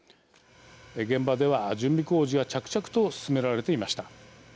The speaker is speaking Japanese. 現場では準備工事が着々と進められていました。